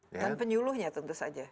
dan penyuluhnya tentu saja